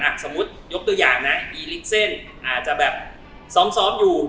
ก็ดูทรงแล้วเนี้ย